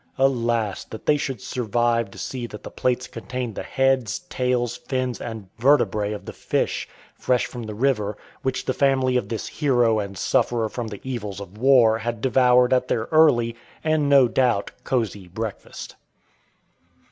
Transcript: Alas! that they should "survive" to see that the plates contained the heads, tails, fins, and vertebræ of the fish, fresh from the river, which the family of this hero and sufferer from the evils of war had devoured at their early, and, no doubt, cozy breakfast.